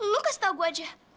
lo kasih tau gue aja